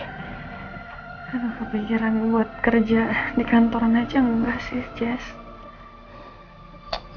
aku kepikiran buat kerja di kantoran aja enggak sih jess